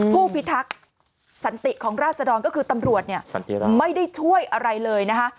ผู้พิทักษ์สันติของราชดรก็คือตำรวจเนี่ยไม่ได้ช่วยอะไรเลยนะคะ